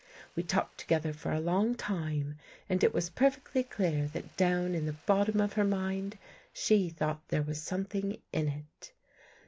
We talked together for a long time and it was perfectly clear that down in the bottom of her mind, she thought there was something in it.